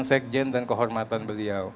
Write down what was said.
sekjen dan kehormatan beliau